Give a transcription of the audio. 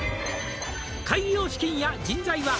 「開業資金や人材は」